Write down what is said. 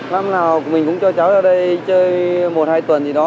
năm nào mình cũng cho cháu ở đây chơi một hai tuần gì đó